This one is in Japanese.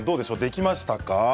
できましたか。